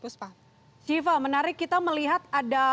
siva menarik kita melihat ada